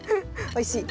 おいしい？